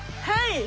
はい！